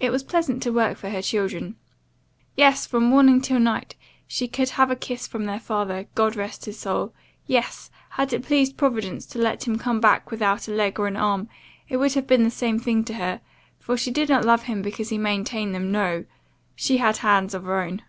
It was pleasant to work for her children. 'Yes; from morning till night, could she have had a kiss from their father, God rest his soul! Yes; had it pleased Providence to have let him come back without a leg or an arm, it would have been the same thing to her for she did not love him because he maintained them no; she had hands of her own.